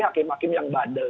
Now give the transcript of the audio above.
hakim hakim yang bandel